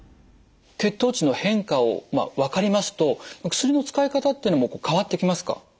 血糖値の変化をまあ分かりますと薬の使い方っていうのもこう変わってきますか？